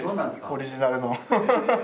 オリジナルの。